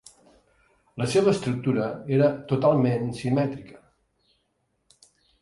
La seva estructura era totalment simètrica.